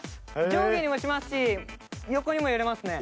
上下にもしますし横にも揺れますね。